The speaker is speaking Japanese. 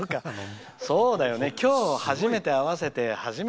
そうだよね今日初めて合わせて。